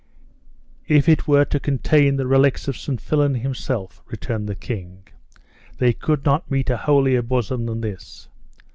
"If it were to contain the relics of St. Fillan himself," returned the king, "they could not meet a holier bosom than this!"